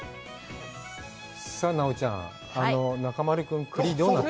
さあ奈緒ちゃん、中丸君、栗、どうなったの？